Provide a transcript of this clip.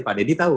pak deddy tahu